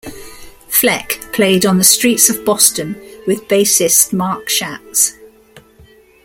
Fleck played on the streets of Boston with bassist Mark Schatz.